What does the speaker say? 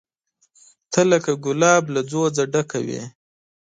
ته لکه ګلاب له ځوزه ډکه وې